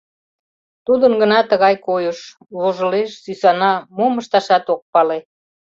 Тудын гына тыгай койыш: вожылеш, сӱсана, мом ышташат ок пале.